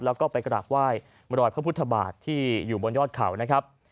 แล้วก็ไปกราบไหว้บรอยพระพุทธบาทที่อยู่บนยอดเขานะครับ